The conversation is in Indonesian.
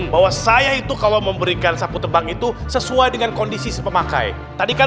bahwa saya itu kalau memberikan sapu tebang itu sesuai dengan kondisi pemakai tadi kan